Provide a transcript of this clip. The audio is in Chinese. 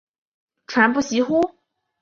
传不习乎？